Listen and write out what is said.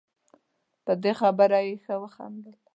په دې خبره یې ښه وخندل.